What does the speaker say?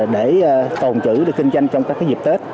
để tồn trữ được kinh doanh trong các dịp tết